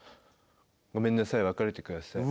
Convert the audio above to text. ごめんなさい別れてください。